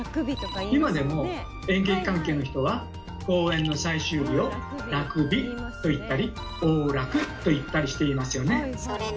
今でも演劇関係の人は公演の最終日を「楽日」と言ったり「大楽」と言ったりしていますよね。